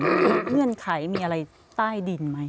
มีเรื่องไขมีอะไรงานใสดินไหม